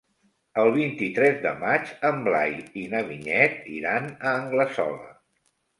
El vint-i-tres de maig en Blai i na Vinyet iran a Anglesola.